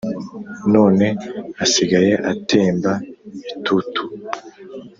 none asigaye atemba itutu